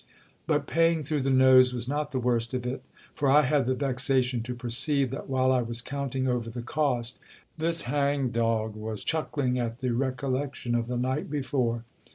— But paying through the nose was not the worst of it ; for I had the vexation to perceive, that while I was counting over the cost, this hang dog was chuckling at the recollection of the night before.